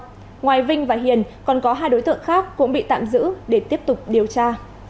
trong thời gian còn có hai đối tượng khác cũng bị tạm giữ để tiếp tục điều tra